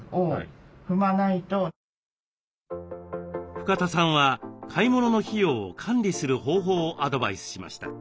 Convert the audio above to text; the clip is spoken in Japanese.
深田さんは買い物の費用を管理する方法をアドバイスしました。